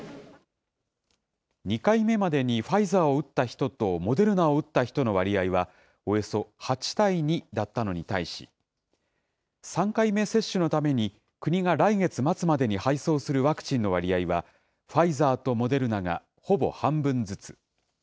２回目までにファイザーを打った人とモデルナを打った人の割合は、およそ８対２だったのに対し、３回目接種のために国が来月末までに配送するワクチンの割合は、ファイザーとモデルナがほぼ半分ずつ。